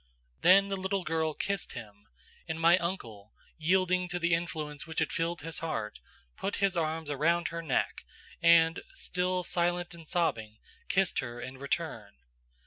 "Then the little girl kissed him, and my uncle yielding to the influence which had filled his heart, put his arms around her neck, and, still silent and sobbing, kissed her in return.